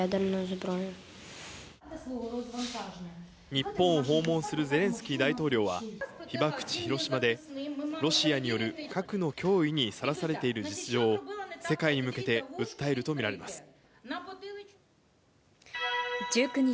日本を訪問するゼレンスキー大統領は、被爆地、広島でロシアによる核の脅威にさらされている実情を、世界に向け１９日、